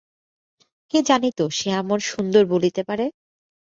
কে জানিত সে এমন সুন্দর বলিতে পারে।